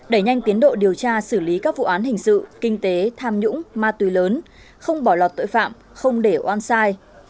đẩy nhanh tiến độ điều tra xử lý các vụ án hình sự kinh tế tham nhũng ma túy lớn không bỏ lọt tội phạm không để oan sai